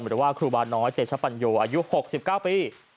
หรือว่าครูบาน้อยเตชปัญโยอายุ๖๙ปี